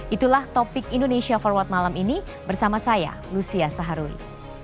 itulah topik indonesia forward malam ini bersama saya lucia saharuy